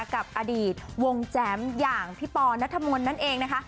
กับอดีตวงแจ๋มอย่างพี่ปอนัทมนต์นั่นเองนะคะ